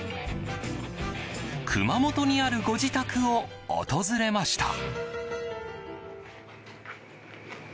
熊本にあるご自宅を訪れました。